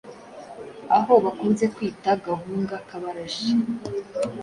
aho bakunze kwita Gahunga k’Abarashi.